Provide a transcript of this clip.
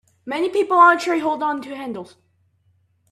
Many people on a train hold onto handles